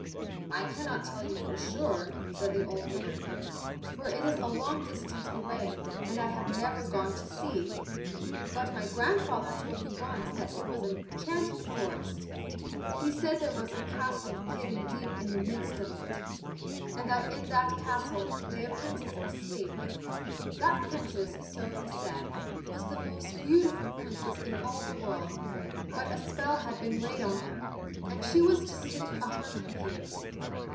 "I cannot tell you for sure," said the old man, "for it is a long distance away and I have never gone to see. But my grandfather told me once that it was an enchanted forest. He said there was a castle hidden deep in the midst of it, and that in that castle lay a Princess asleep. That Princess, so he said, was the most beautiful Princess in all the world, but a spell had been laid on her, and she was to sleep a hundred years.